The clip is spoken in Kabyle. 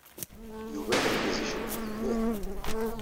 Yuba d argaz icebḥen mliḥ.